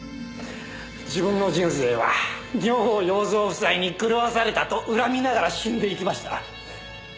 自分の人生は二百郷洋蔵夫妻に狂わされたと恨みながら死んでいきました。